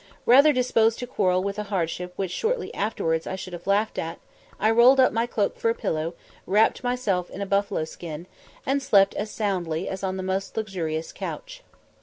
Rather disposed to quarrel with a hardship which shortly afterwards I should have laughed at, I rolled up my cloak for a pillow, wrapped myself in a buffalo skin, and slept as soundly as on the most luxurious couch.